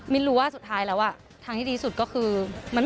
รู้ว่าสุดท้ายแล้วทางที่ดีสุดก็คือ